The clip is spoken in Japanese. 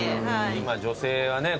今女性はね